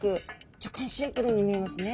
若干シンプルに見えますね。